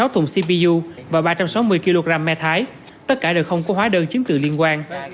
bảy mươi sáu thùng cpu và ba trăm sáu mươi kg me thái tất cả đều không có hóa đơn chiếm tự liên quan